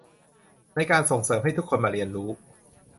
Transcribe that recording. ในการส่งเสริมให้ทุกคนมาเรียนรู้